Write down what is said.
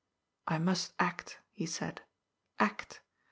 " I must act," he said. " Act.